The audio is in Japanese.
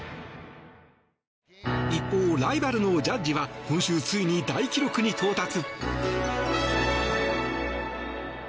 一方、ライバルのジャッジは今週、ついに大記録に到達。